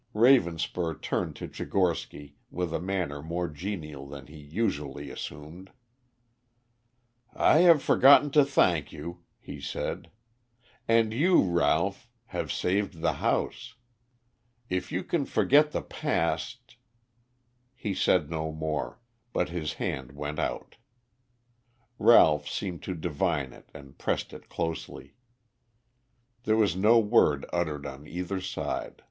Ravenspur turned to Tchigorsky with a manner more genial than he usually assumed. "I have forgotten to thank you," he said. "And you, Ralph, have saved the house. If you can forget the past " He said no more, but his hand went out. Ralph seemed to divine it and pressed it closely. There was no word uttered on either side.